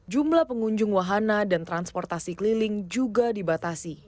jumlah pengunjung wahana dan transportasi keliling juga dibatasi